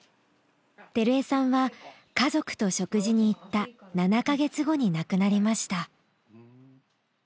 光衞さんは家族と食事に行った７カ月後に亡くなりました。